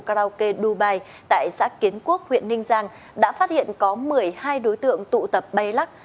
karaoke dubai tại xã kiến quốc huyện ninh giang đã phát hiện có một mươi hai đối tượng tụ tập bay lắc